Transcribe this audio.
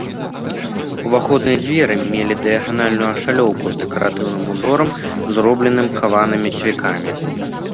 Уваходныя дзверы мелі дыяганальную ашалёўку з дэкаратыўным узорам, зробленым каванымі цвікамі.